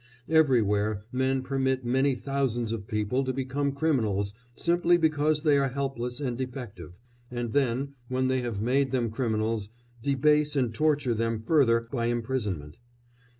Everywhere men permit many thousands of people to become criminals simply because they are helpless and defective, and then, when they have made them criminals, debase and torture them further by imprisonment.